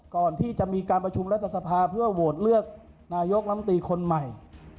ก่อนที่จะมีการประชุมรัฐสภาเพื่อโหวตเลือกนายกลำตีคนใหม่